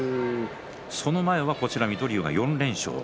その前が、こちら水戸龍が４連勝。